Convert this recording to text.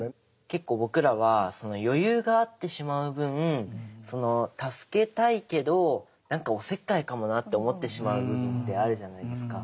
結構僕らは余裕があってしまう分助けたいけどなんかおせっかいかもなって思ってしまう部分ってあるじゃないですか。